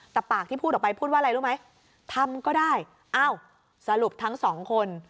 แต่ปากที่พูดออกไปพูดว่าอะไรรู้ไหมทำก็ได้อ้าวสรุปทั้งสองคน